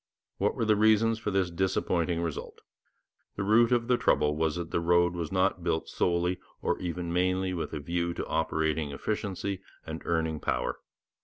What were the reasons for this disappointing result? The root of the trouble was that the road was not built solely or even mainly with a view to operating efficiency and earning power.